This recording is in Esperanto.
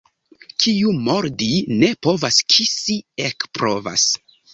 Kiu mordi ne povas, kisi ekprovas.